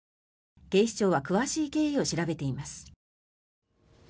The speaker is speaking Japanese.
警視庁は詳しい経緯を調べています。